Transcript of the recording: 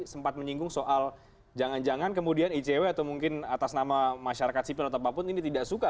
sempat menyinggung soal jangan jangan kemudian icw atau mungkin atas nama masyarakat sipil atau apapun ini tidak suka